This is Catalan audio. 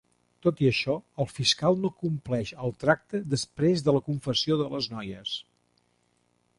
Tot i això, el fiscal no compleix al tracte després de la confessió de les noies.